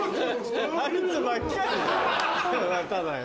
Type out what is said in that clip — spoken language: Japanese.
まただよ。